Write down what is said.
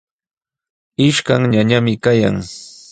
Ishkan ñañami kayan.